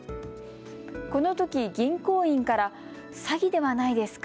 このとき銀行員から詐欺ではないですか？